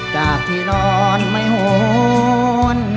จากที่นอนไม่โหน